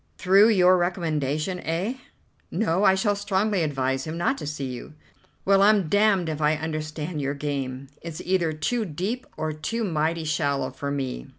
"Through your recommendation, eh?" "No, I shall strongly advise him not to see you." "Well, I'm damned if I understand your game. It's either too deep or too mighty shallow for me."